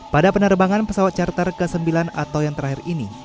pada penerbangan pesawat charter ke sembilan atau yang terakhir ini